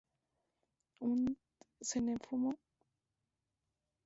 Un xenomorfo de roca puede nacer si la víctima es Tremor.